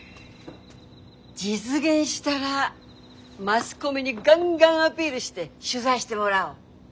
実現したらマスコミにガンガンアピールして取材してもらおう。